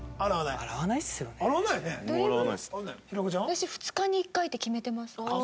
私２日に１回って決めてます。